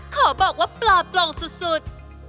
ขอบอกว่าปลาปลองสุด